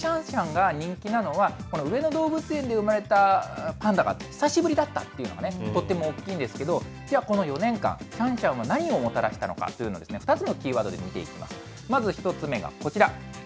やっぱりこれだけシャンシャンが人気なのは、上野動物園で産まれたパンダが久しぶりだったというのが、とっても大きいんですけど、じゃあこの４年間、シャンシャンは何をもたらしたのかというのを２つのキーワードで見ていきます。